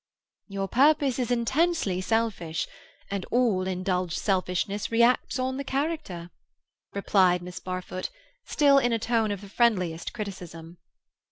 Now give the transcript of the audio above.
"Your purpose is intensely selfish, and all indulged selfishness reacts on the character," replied Miss Barfoot, still in a tone of the friendliest criticism.